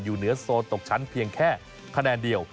อยู่เหนือโซนตกชั้นเพียงแค่คะแนนเดียว